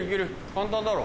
簡単だろ。